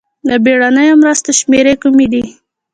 د بېړنیو مرستو شمېرې کومې دي؟